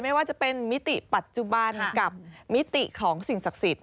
ไม่ว่าจะเป็นมิติปัจจุบันกับมิติของสิ่งศักดิ์สิทธิ